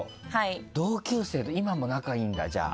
同級生と今も仲いいんだじゃあ。